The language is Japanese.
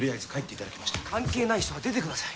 関係ない人は出てください。